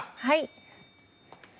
はい。